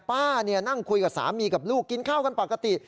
ป้านเนี่ยนั่งคุยกับสามีกับลูกกินข้าวกันปกติ